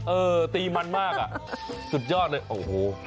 เออตีมันมากอ่ะสุดยอดเลยโอ้โห